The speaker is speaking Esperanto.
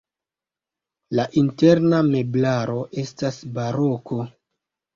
La interna meblaro estas baroko.